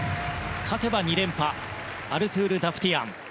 勝てば２連覇アルトゥール・ダフティアン。